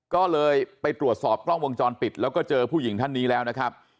ก็เลยไปตรวจสอบกล้องวงจรปิดแล้วก็เจอผู้หญิงท่านนี้แล้วนะครับ